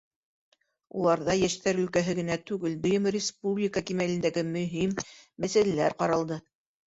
Уларҙа йәштәр өлкәһе генә түгел, дөйөм республика кимәлендәге мөһим мәсьәләләр ҡаралды.